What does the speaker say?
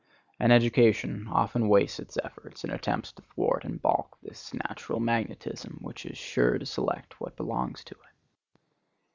And education often wastes its effort in attempts to thwart and balk this natural magnetism, which is sure to select what belongs to it.